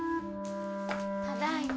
ただいま。